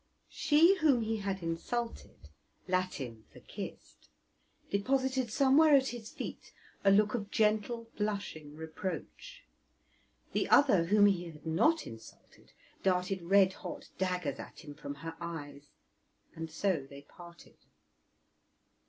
She whom he had insulted (Latin for kissed) deposited somewhere at his feet a look of gentle, blushing reproach; the other, whom he had not insulted, darted red hot daggers at him from her eyes; and so they parted.